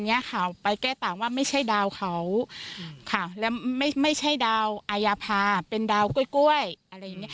เนี่ยขาวไปแก้ต่างว่าไม่ใช่ดาวเขาค่ะแล้วไม่ใช่ดาวอายภาเป็นดาวกล้วยอะไร